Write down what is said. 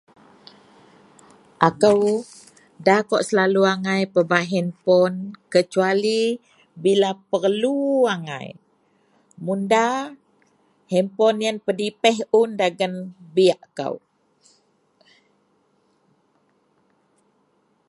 Aku da kawa selalu angai pebak handphone kecuali bila perlu angai mun da handphone yian pedipeh un Dagen beg ko.